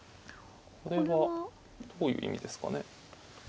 これはどういう意味ですかね。